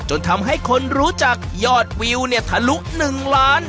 จนทำให้คนรู้จักยอดวิวเนี่ยทะลุ๑ล้าน